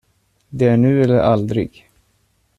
Det är nu eller aldrig.